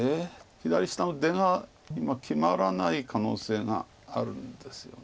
左下の出が今決まらない可能性があるんですよね。